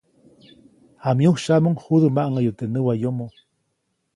Jamyusyaʼmuŋ judä maʼŋäyu teʼ näwayomo.